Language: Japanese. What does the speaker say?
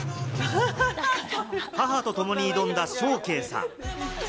母と共に挑んだショウケイさん。